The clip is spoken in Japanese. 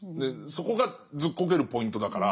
そこがずっこけるポイントだから。